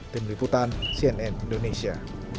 tim liputan cnn indonesia